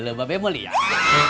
lo lo lo mbak peh mau liat